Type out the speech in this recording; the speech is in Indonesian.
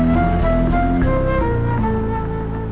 kamu situ buat saya seperti kaki